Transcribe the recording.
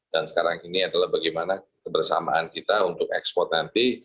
dan sekarang ini adalah bagaimana kebersamaan kita untuk ekspor nanti